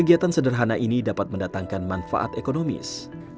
kegiatan sederhana ini dapat mendatangkan manfaat ekonomis